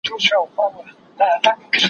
زه کولای سم جواب ورکړم